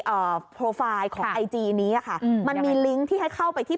อ่าของแอร์จีนี้อ่ะค่ะอืมมันมีลิงก์ที่ให้เข้าไปที่